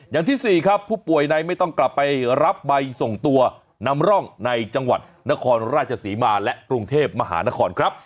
อย่างที่๔ครับผู้ป่วยในไม่ต้องกลับไปรับใบส่งตัวนำร่องในจังหวัดนครราชศรีมาและกรุงเทพมหานครครับ